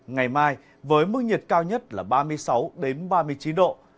ngày mai với mức nhiệt cao nhất là ba mươi sáu ba mươi chín độ